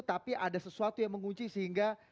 tapi ada sesuatu yang mengunci sehingga